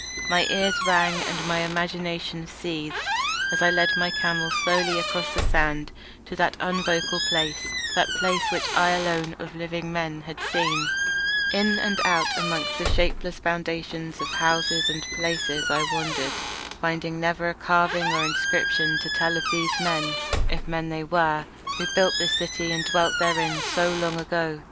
My ears rang and my imagination seethed as I led my camel slowly across the sand to that unvocal stone place; that place too old for Egypt and Meroë to remember; that place which I alone of living men had seen. In and out amongst the shapeless foundations of houses and palaces I wandered, finding never a carving or inscription to tell of those men, if men they were, who built the city and dwelt therein so long ago.